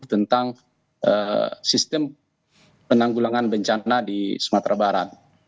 tentang sistem penanggulangan bencana di sumatera barat